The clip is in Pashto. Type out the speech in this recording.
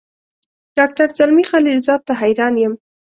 ډاکټر زلمي خلیلزاد ته حیران یم.